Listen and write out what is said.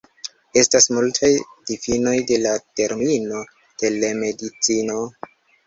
Estas multaj difinoj de la termino "Telemedicino".